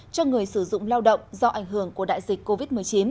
cho người sử dụng lao động do ảnh hưởng của đại dịch covid một mươi chín